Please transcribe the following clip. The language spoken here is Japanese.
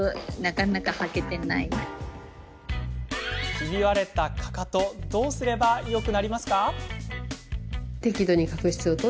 ひび割れた、かかとどうすればよくなりますか。